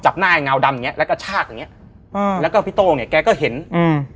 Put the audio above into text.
หน้าไอเงาดำอย่างเงี้แล้วก็ชากอย่างเงี้ยอืมแล้วก็พี่โต้งเนี้ยแกก็เห็นอืม